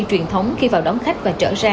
truyền thống khi vào đón khách và trở ra